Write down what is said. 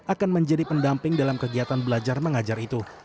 akan menjadi pendamping dalam kegiatan belajar mengajar itu